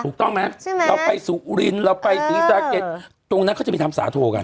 ถูกต้องไหมใช่ไหมเราไปสุรินทร์เราไปสีสาเกตรงนั้นเขาจะมีทำสาโทกัน